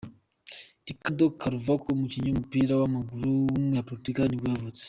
Ricardo Carvalho, umukinnyi w’umupira w’amaguru w’umunya-Portugal nibwo yavutse.